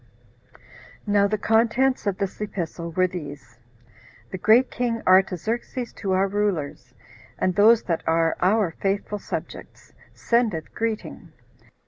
Now the contents of this epistle were these: "The great king Artaxerxes to our rulers, and those that are our faithful subjects, sendeth greeting.